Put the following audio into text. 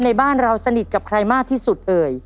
ในบ้านเราสนิทกับใครมากที่สุดเอ่ย